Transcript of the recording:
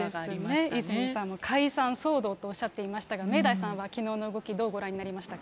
そうですね、泉さんも解散騒動とおっしゃっていましたが、明大さんはきのうの動き、どうご覧になりましたか。